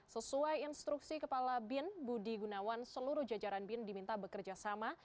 sesuai instruksi kepala bin budi gunawan seluruh jajaran bin diminta bekerja sama